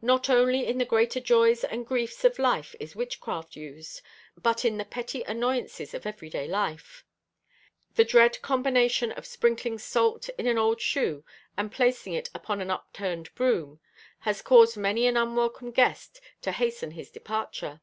Not only in the greater joys and griefs of life is witchcraft used, but in the petty annoyances of everyday life. The dread combination of sprinkling salt in an old shoe and placing it upon an upturned broom, has caused many an unwelcome guest to hasten his departure.